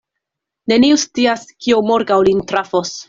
Neniu scias, kio morgaŭ lin trafos.